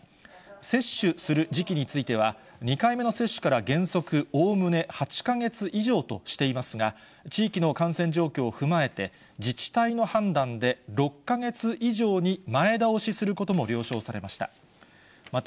接種する時期については、２回目の接種から原則おおむね８か月以上としていますが、地域の感染状況を踏まえて、自治体の判断で６か月以上に前倒しすることも了承されました。